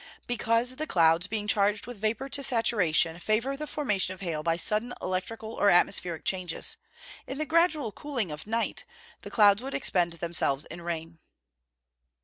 _ Because the clouds, being charged with vapour to saturation, favour the formation of hail by sudden electrical or atmospheric changes. In the gradual cooling of night, the clouds would expend themselves in rain.